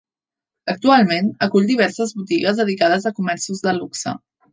Actualment, acull diverses botigues dedicades a comerços de luxe.